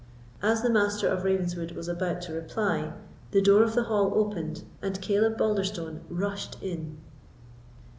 As the Master of Ravenswood was about to reply, the door of the hall opened, and Caleb Balderstone rushed in.